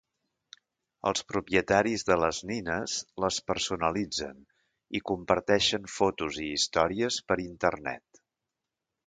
Els propietaris de les nines les personalitzen i comparteixen fotos i històries per Internet.